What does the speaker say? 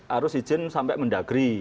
harus ijin sampai mendagri